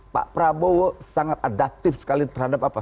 pak prabowo sangat adaptif sekali terhadap apa